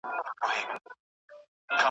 نه یې ژبه له غیبته ستړې کیږي .